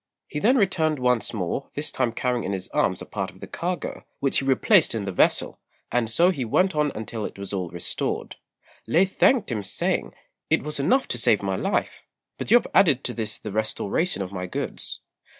He then returned once more, this time carrying in his arms a part of the cargo, which he replaced in the vessel, and so he went on until it was all restored. Lê thanked him, saying, "It was enough to save my life; but you have added to this the restoration of my goods."